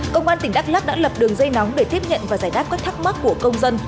công an tỉnh đắk lắc đã lập đường dây nóng để tiếp nhận và giải đáp các thắc mắc của công dân